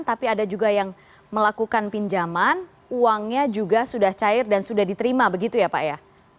tapi ada juga yang melakukan pinjaman uangnya juga sudah cair dan sudah diterima begitu ya pak ya